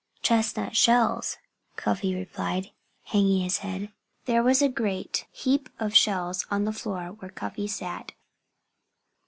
"Chestnut shells," Cuffy replied, hanging his head. There was a great heap of shells on the floor where Cuffy had sat.